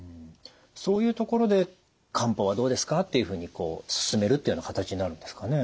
そういうところで「漢方はどうですか？」っていうふうに勧めるというような形になるんですかね？